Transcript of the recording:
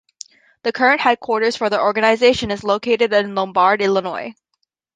The current headquarters for the organization is located in Lombard, Illinois.